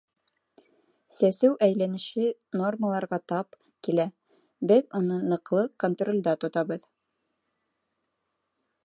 Сәсеү әйләнеше нормаларға тап килә, беҙ уны ныҡлы контролдә тотабыҙ.